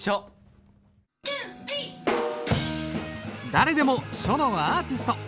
誰でも書のアーティスト。